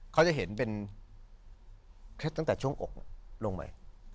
เขาจะเห็นเป็นเคล็ดตั้งแต่ช่วงอกลงไป